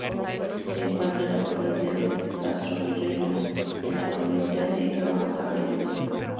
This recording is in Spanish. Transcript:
Se encuentra en la provincia de Castrovirreyna y en la provincia de Huancavelica.